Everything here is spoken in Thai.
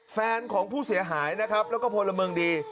แฟนของผู้เสียหายนะครับแล้วก็พลเมืองดี